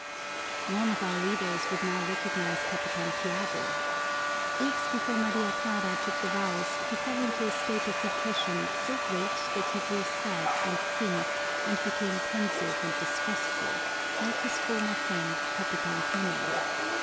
None of our readers would now recognize Capitan Tiago. Weeks before Maria Clara took the vows he fell into a state of depression so great that he grew sad and thin, and became pensive and distrustful, like his former friend, Capitan Tinong.